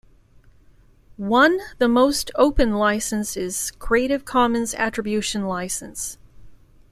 One the most open licence is "Creative Commons Attribution" License.